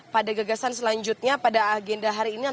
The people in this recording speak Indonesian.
pada gagasan selanjutnya pada agenda hari ini